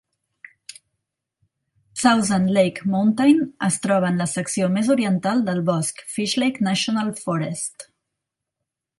Thousand Lake Mountain es troba en la secció més oriental del bosc Fishlake National Forest.